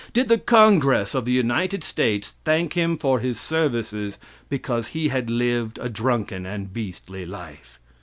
Did the Congress of the United States thank him for his services because he had lived a drunken and beastly life?